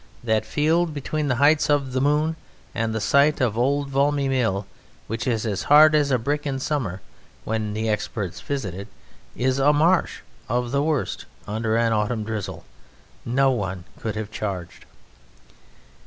That field between the heights of "The Moon" and the site of old Valmy mill, which is as hard as a brick in summer (when the experts visit it), is a marsh of the worst under an autumn drizzle; no one could have charged.